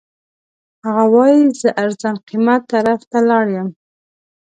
هغه وایي زه ارزان قیمت طرف ته لاړ یم.